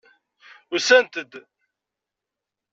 Usant-d.